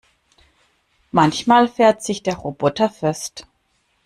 Manchmal fährt sich der Roboter fest.